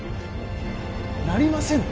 なりませぬ。